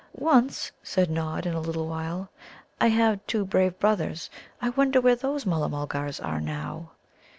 "Once," said Nod, in a little while, "I had two brave brothers. I wonder where those Mulla mulgars are now?"